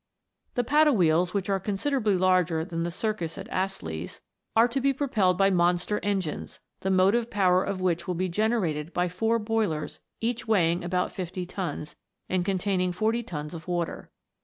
The paddle wheels, which are considerably larger than the circus at Astley's, are to be propelled by monster engines, the motive power of which will be generated by four boilers each weighing about fifty tons, and containing forty tons of water.